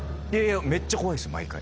めっちゃ怖いっす毎回。